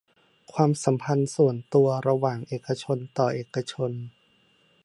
ความสัมพันธ์ส่วนตัวระหว่างเอกชนต่อเอกชน